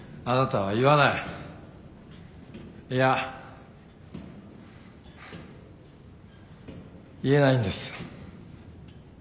いや言えないんです。